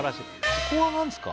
ここは何ですか？